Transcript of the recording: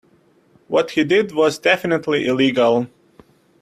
What he did was definitively illegal.